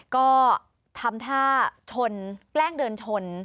ก็ทำท่าชนแกล้งเดินชน